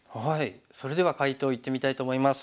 それでは解答いってみたいと思います。